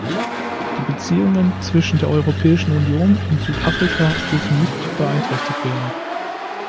Die Beziehungen zwischen der Europäischen Union und Südafrika dürfen nicht beeinträchtigt werden.